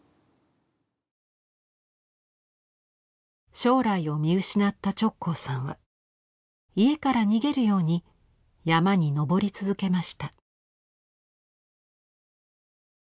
将来を見失った直行さんは家から逃げるように山に登り続けました。